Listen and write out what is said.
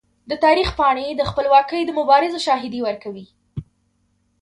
د تاریخ پاڼې د خپلواکۍ د مبارزو شاهدي ورکوي.